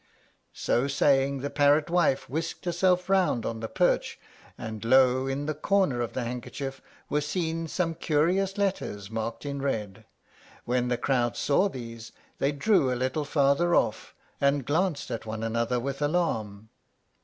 So saying, the parrot wife whisked herself round on the perch, and lo! in the corner of the handkerchief were seen some curious letters, marked in red. When the crowd saw these, they drew a little farther off, and glanced at one another with alarm.